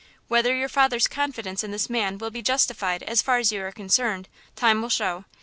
Whether your father's confidence in this man will be justified as far as you are concerned, time will show.